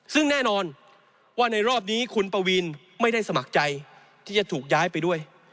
ซึ่งแน่นอนว่าในรอบนี้คุณปวีนไม่ได้สมัครใจที่จะถูกย้ายไปด้วย